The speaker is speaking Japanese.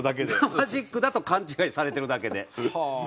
マジックだと勘違いされてるだけで。